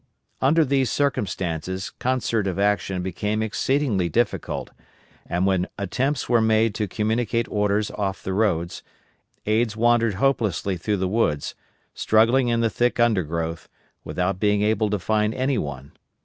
Under these circumstances concert of action became exceedingly difficult, and when attempts were made to communicate orders off the roads, aids wandered hopelessly through the woods, struggling in the thick undergrowth, without being able to find any one.